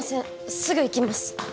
すぐ行きます